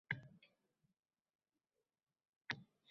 Sayfiddin shu ketganicha, negadir jimjit bo‘lib ketdi